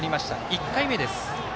１回目です。